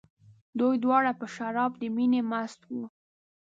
دوی دواړه په شراب د مینې مست وو.